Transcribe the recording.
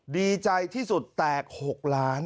ดีใจที่สุดแตก๖ล้าน